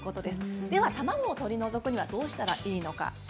では、卵を取り除くにはどうしたらいいのか。